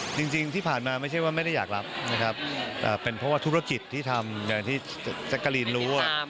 จริงที่ผ่านมาไม่ใช่ว่าไม่ได้อยากรับนะครับเป็นเพราะว่าธุรกิจที่ทำอย่างที่แจ๊กกะลีนรู้